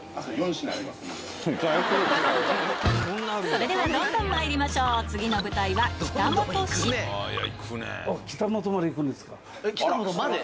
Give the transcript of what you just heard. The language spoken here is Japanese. それではどんどんまいりましょう次の舞台は北本市「北本まで」？